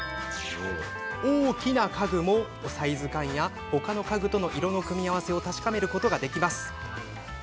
大きな家具も、サイズ感や他の家具との色の組み合わせを確かめることができます。